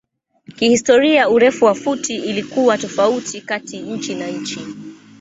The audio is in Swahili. Kihistoria urefu wa futi ilikuwa tofauti kati nchi na nchi.